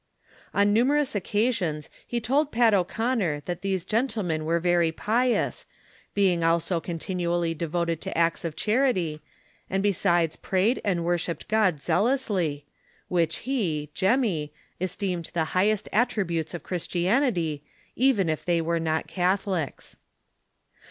On numerous occasions he told Pat O'Conner that these gentlemen were very pious, being also continually devoted to acts of charity, and besides prayed and worshipped God zealously, which he (Jemmy) esteemed the highest attri butes of Christianity, even if they were not Catholics.